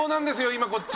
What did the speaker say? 今こっち。